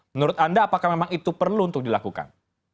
menurut anda apakah memang itu perlu untuk dilakukan